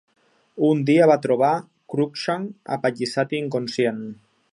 Un dia va trobar Crookshank apallissat i inconscient.